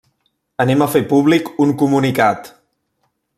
Anem a fer públic un comunicat.